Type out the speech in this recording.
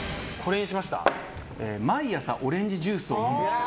毎朝オレンジジュースを飲む人。